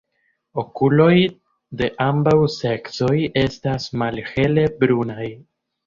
Okuloj de ambaŭ seksoj estas malhele brunaj.